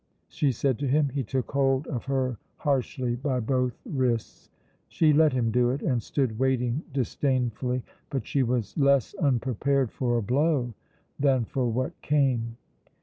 she said to him. He took hold of her harshly by both wrists. She let him do it, and stood waiting disdainfully; but she was less unprepared for a blow than for what came.